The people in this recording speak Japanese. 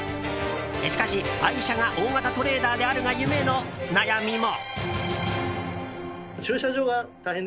しかし、愛車が大型トレーラーであるが故の悩みも。